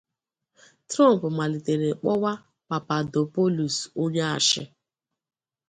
Trump malitere kpọwa Papadopoulos onye ashị